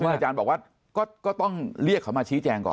อาจารย์บอกว่าก็ต้องเรียกเขามาชี้แจงก่อน